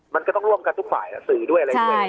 มันก็ต้องร่วมกันทุกฝ่ายสื่อด้วย